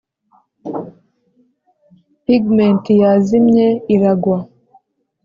pigment yazimye iragwa,